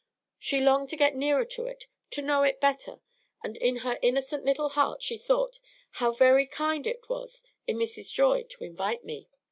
She longed to get nearer to it, to know it better; and in her innocent little heart she thought, "How very kind it was in Mrs. Joy to invite me."